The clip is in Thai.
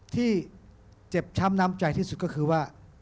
ที่เจ็บช้ำน้ำใจที่สุดก็คือว่า